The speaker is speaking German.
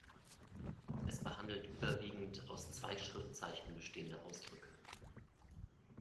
Es behandelt überwiegend aus zwei Schriftzeichen bestehende Ausdrücke.